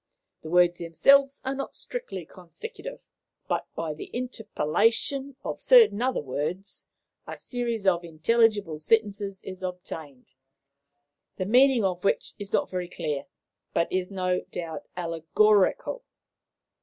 The words themselves are not strictly consecutive, but, by the interpellation of certain other words, a series of intelligible sentences is obtained, the meaning of which is not very clear, but is no doubt allegorical.